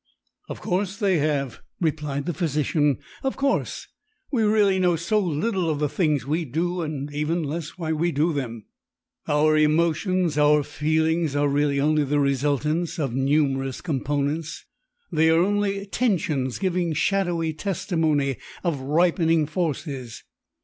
"Of course they have," replied the physician. "Of course! We really know so little of the things we do and even less why we do them. Our emotions, our feelings, are really only the resultants of numerous components; they are only tensions giving shadowy testimony of ripening forces.